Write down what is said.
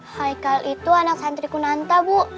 haikal itu anak santri kunanta bu